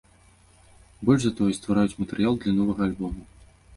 Больш за тое, ствараюць матэрыял для новага альбома!